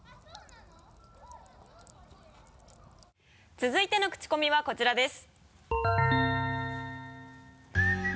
続いてのクチコミはこちらです。